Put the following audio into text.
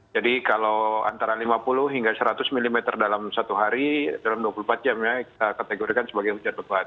jadi kalau antara lima puluh hingga seratus mm dalam satu hari dalam dua puluh empat jam ya kita kategorikan sebagai hujan lebat